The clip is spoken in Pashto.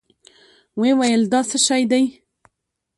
ويې ويل دا څه شې دي؟